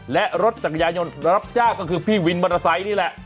และรถจักรยานยนต์รับจ้างก็คือพี่วินมอเตอร์ไซค์นี่แหละ